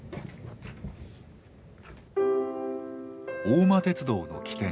大間鉄道の起点